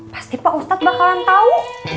pasti pak ustadz bakalan tahu